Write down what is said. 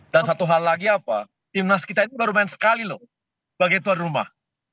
dan satu hal lagi apa timnas kita itu baru main sekali loh bagi tuan rumah